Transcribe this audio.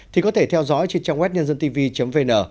thì có thể theo dõi trên trang web nhân dân tv vn